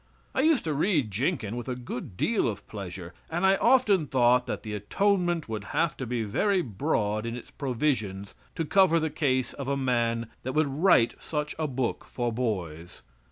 I used to read Jenkyn with a good deal of pleasure, and I often thought that the atonement would have to be very broad in its provisions to cover the case of a man that would I write such a book for boys.